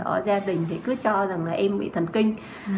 ở gia đình thì cứ cho rằng là em bị thần kinh